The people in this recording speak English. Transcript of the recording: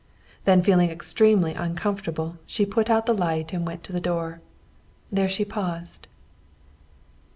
Then feeling extremely uncomfortable she put out the light and went to the door. There she paused.